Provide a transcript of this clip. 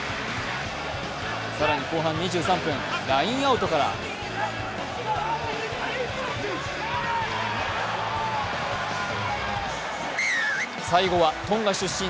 更に後半２３分ラインアウトから最後はトンガ出身